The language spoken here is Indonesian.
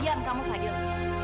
diam kamu fadil